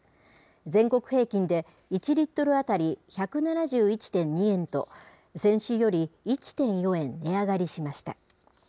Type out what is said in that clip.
全国平均で、１リットル当たり１７１．２円と、先週より１．４円値上がりしました。